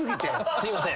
すいません。